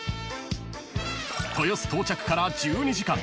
［豊洲到着から１２時間］